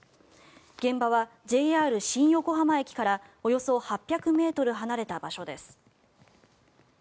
現場はＪＲ新横浜駅からおよそ８００ｍ離れた場所です。